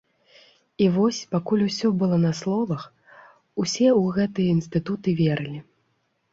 І вось, пакуль усё было на словах, усе ў гэтыя інстытуты верылі.